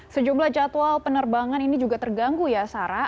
sejumlah jadwal penerbangan ini juga terganggu ya sarah